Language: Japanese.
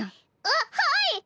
あっはい！